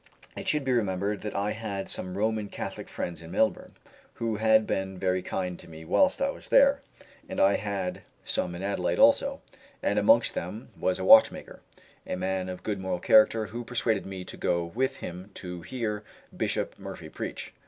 It should be remembered that I had some Roman Catholic friends in Melbourne, who had been very kind to me whilst I was there; and I had some in Adelaide also, and amongst them was a watchmaker, a man of good moral character, who persuaded me to go with him to hear Bishop Murphy preach.